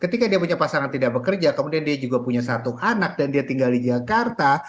ketika dia punya pasangan tidak bekerja kemudian dia juga punya satu anak dan dia tinggal di jakarta